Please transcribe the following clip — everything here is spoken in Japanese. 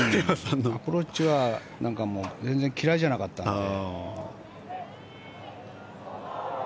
アプローチは全然嫌いじゃなかったんで。